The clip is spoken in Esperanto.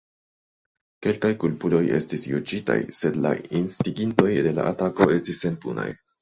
Kelkaj kulpuloj estis juĝitaj, sed la instigintoj de la atako restis senpunaj.